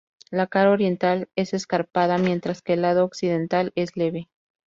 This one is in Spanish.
La cara oriental es escarpada mientras que el lado occidental es leve.